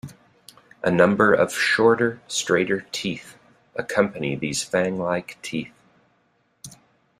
A number of shorter, straighter teeth accompany these fang-like teeth.